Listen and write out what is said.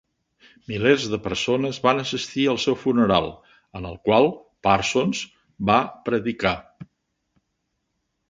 Milers de persones van assistir al seu funeral, en el qual Parsons va predicar.